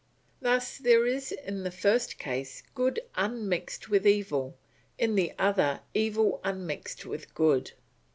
Thus there is in the first case good unmixed with evil, in the other evil unmixed with good.